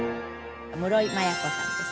室井摩耶子さんです。